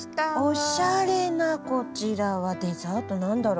おしゃれなこちらはデザート何だろう？